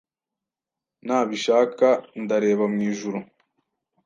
Ntabishaka Ndareba mu ijuru,